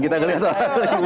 kita ngelihat lah